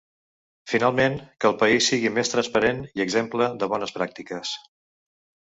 Finalment, que el país sigui més transparent i exemple de bones pràctiques.